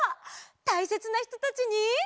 たいせつなひとたちに。